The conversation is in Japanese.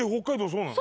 そうなの？